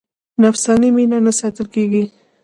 نفساني مینه نه ستایل کېږي.